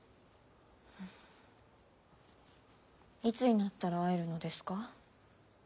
いつになったら会えるのですか。